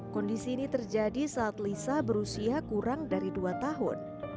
kondisi ini terjadi saat lisa berusia kurang dari dua tahun